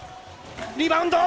リバウンド。